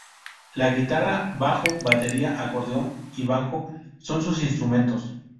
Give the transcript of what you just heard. La guitarra, bajo, batería, acordeón y banjo son sus instrumentos.